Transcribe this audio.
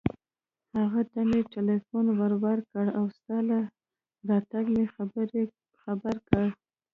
هغه ته مې ټېلېفون ور و کړ او ستا له راتګه مې خبر کړ.